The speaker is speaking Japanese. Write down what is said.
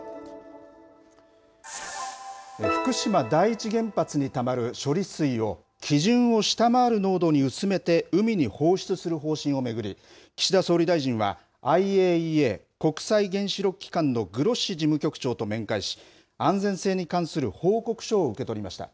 福島第一原発にたまる処理水を、基準を下回る濃度に薄めて海に放出する方針を巡り、岸田総理大臣はＩＡＥＡ・国際原子力機関のグロッシ事務局長と面会し、安全性に関する報告書を受け取りました。